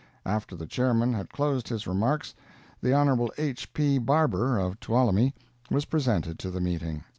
After the Chairman had closed his remarks, the Hon. H. P. Barbour of Tuolumne was presented to the meeting.